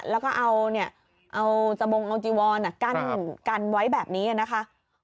แล้วก็เอาเนี้ยเอาจบงเอาจิวอนอ่ะกั้นกั้นไว้แบบนี้อ่ะนะคะ